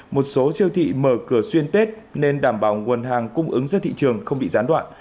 một số siêu thị mở cửa xuyên tết nên đảm bảo nguồn hàng cung ứng ra thị trường không bị gián đoạn